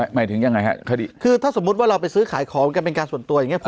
หมายถึงยังไงฮะคดีคือถ้าสมมุติว่าเราไปซื้อขายของกันเป็นการส่วนตัวอย่างนี้